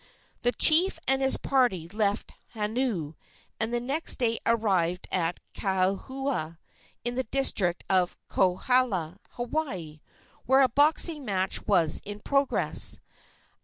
The chief and his party left Haneoo, and the next day arrived at Kauhola, in the district of Kohala, Hawaii, where a boxing match was in progress.